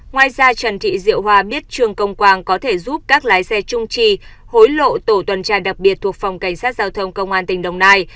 ngoài ra trần thị diệu hòa biết trường công quang có thể giúp các lái xe trung trì hối lộ tổ tuần tra đặc biệt thuộc phòng cảnh sát giao thông công an tỉnh đồng nai